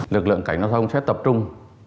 lực lượng cảnh sát giao thông sẽ tập trung